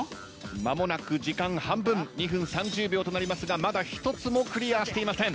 間もなく時間半分２分３０秒となりますがまだ１つもクリアしていません。